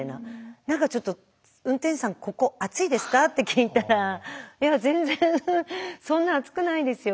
何かちょっと「運転手さんここ暑いですか？」って聞いたら「いや全然そんな暑くないですよ」